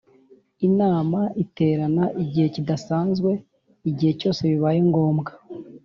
Inama iterana igihe kidasanzwe igihe cyose bibaye ngombwa